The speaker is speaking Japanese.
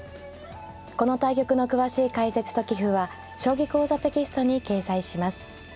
この対局の詳しい解説と棋譜は「将棋講座」テキストに掲載します。